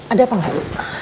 ada apa enggak ibu